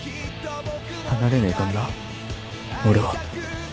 離れねえかんな俺は。